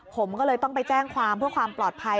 ผมก็เลยต้องไปแจ้งความเพื่อความปลอดภัย